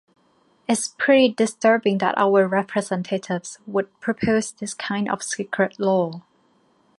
It's pretty disturbing that our representatives would propose this kind of secret law.